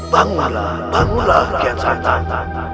bangulah bangulah kian santang